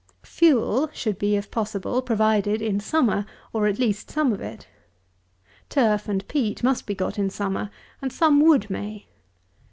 201. Fuel should be, if possible, provided in summer, or at least some of it. Turf and peat must be got in summer, and some wood may.